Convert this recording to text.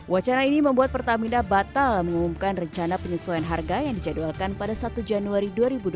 wacana ini membuat pertamina batal mengumumkan rencana penyesuaian harga yang dijadwalkan pada satu januari dua ribu dua puluh tiga